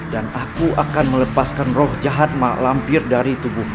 dan aku akan melepaskan roh jahat mak lampir dari tubuhmu